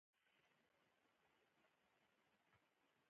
د موثریت او پوخوالي له پلوه متفاوته بڼه خپله کړه